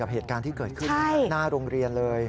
เหตุการณ์ที่เกิดขึ้นหน้าโรงเรียนเลย